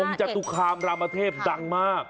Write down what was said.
องค์จัตุคาร์มรามาเทพดังมาก